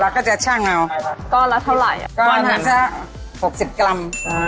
เราก็จะช่างเอาก็แล้วเท่าไหร่ก็หนึ่งสักหกสิบกรัมอ่า